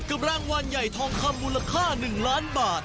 รางวัลใหญ่ทองคำมูลค่า๑ล้านบาท